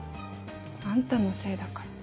あんたのせいだから。